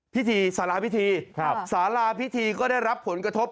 พิธีศาลารพิธีครับศาลารพิธีก็ได้รับผลกระทบ